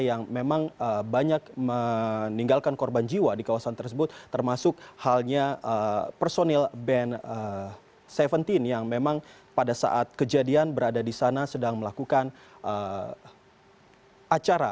yang memang banyak meninggalkan korban jiwa di kawasan tersebut termasuk halnya personil band tujuh belas yang memang pada saat kejadian berada di sana sedang melakukan acara